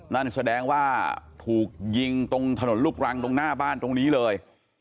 นั่นแสดงว่าถูกยิงตรงถนนลูกรังตรงหน้าบ้านตรงนี้เลย